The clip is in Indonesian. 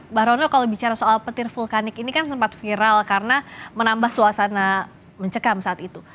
mbak rono kalau bicara soal petir vulkanik ini kan sempat viral karena menambah suasana mencekam saat itu